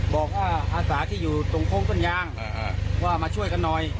บอกว่าอาสาที่อยู่ตรงโค้งต้นยางว่ามาช่วยกันหน่อย